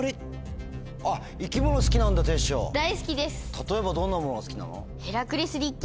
例えばどんなものが好きなの？